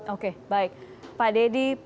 oke baik pak dedy